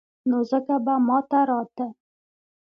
نو ځکه به ما ته راته.